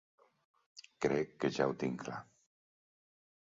Crec que ja ho tinc clar.